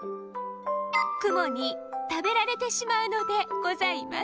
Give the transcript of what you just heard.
クモにたべられてしまうのでございます。